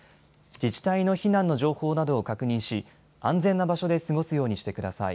自治体の避難の情報などを確認し、安全な場所で過ごすようにしてください。